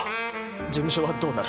事務所はどうなる？